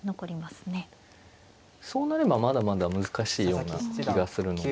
そうなればまだまだ難しいような気がするので。